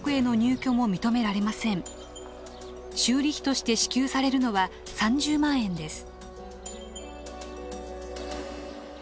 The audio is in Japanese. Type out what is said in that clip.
修理費として支給されるのは３０万円です。